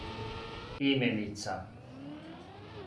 именица